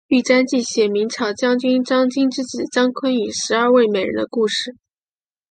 玉蟾记写明朝将军张经之子张昆与十二位美人的故事。